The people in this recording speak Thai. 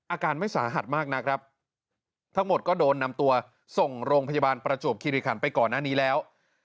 อาการไม่สาหัสมากนักครับทั้งหมดก็โดนนำตัวส่งโรงพยาบาลประจวบคิริขันไปก่อนหน้านี้แล้ว